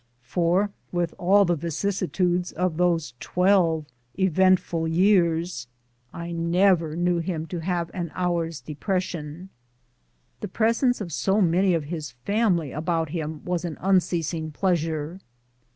For with all the vicissitudes of those twelve eventful years, I never knew him to have an hour's depression. The presence of so many of his family about him was an unceasing pleasure.